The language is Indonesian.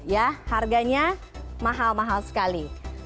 ya harganya mahal mahal sekali